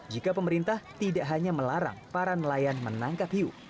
jika pemerintah tidak hanya melarang para nelayan menangkap hiu